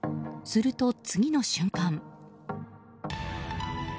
すると次の瞬間。